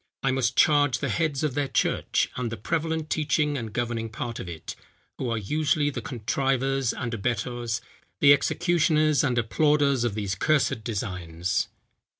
I must charge the heads of their church, and the prevalent teaching and governing part of it, who are usually the contrivers and abettors, the executioners and applauders of these cursed designs."